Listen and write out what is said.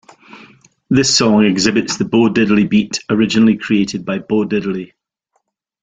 This song exhibits the Bo-Diddley beat originally created by Bo Diddley.